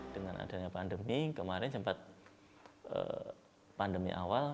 dengan adanya pandemi kemarin sempat pandemi awal